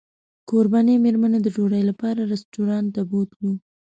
کوربنې مېرمنې د ډوډۍ لپاره رسټورانټ ته بوتلو.